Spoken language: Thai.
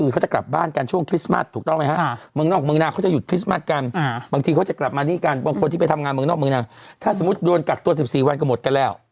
ถ้าสมมติโดนกักตัว๑๔วันก็หมดกันแล้ว